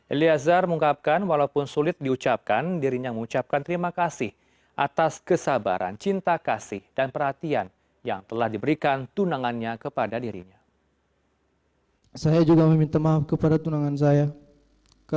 eliazar mengungkapkan walaupun sulit diucapkan dirinya mengucapkan terima kasih atas kesabaran cinta kasih dan perhatian yang telah diberikan tunangannya kepada dirinya